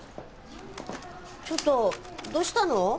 ちょっとどうしたの？